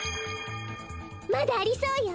まだありそうよ。